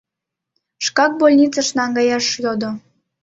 Шкак больницыш наҥгаяш йодо.